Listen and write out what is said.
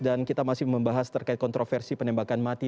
dan kita masih membahas terkait kontroversi penembakan mati